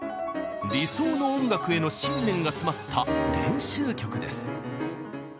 理想の音楽への信念が詰まった練習曲です。